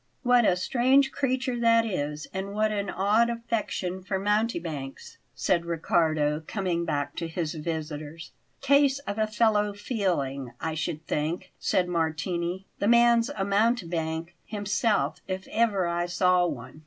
"What a strange creature that is; and what an odd affection for mountebanks!" said Riccardo, coming back to his visitors. "Case of a fellow feeling, I should think," said Martini; "the man's a mountebank himself, if ever I saw one."